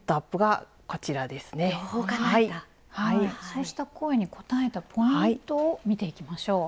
そうした声に応えたポイントを見ていきましょう。